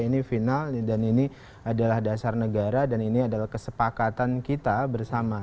ini final dan ini adalah dasar negara dan ini adalah kesepakatan kita bersama